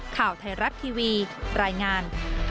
ข่าวไทยรัฐทีวีรายงาน